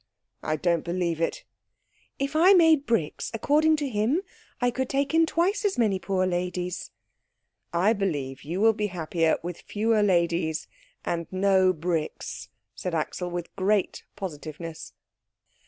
"I don't believe it." "If I made bricks, according to him I could take in twice as many poor ladies." "I believe you will be happier with fewer ladies and no bricks," said Axel with great positiveness.